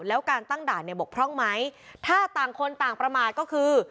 แล้วการตั้งด่านเนี่ยบกพร่องไหมถ้าต่างคนต่างประมาทก็คือ